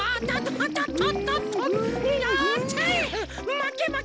まけまけ！